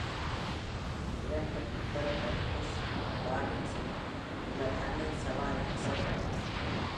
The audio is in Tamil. இரண்டு பெண்கள் Busch Gardens-இல் உள்ள தண்ணீர் சவாரிக்கு சென்றனர்.